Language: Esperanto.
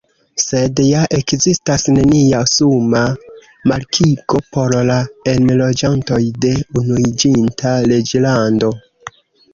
Sed ja ekzistas nenia suma markigo por la enloĝantoj de Unuiĝinta Reĝlando.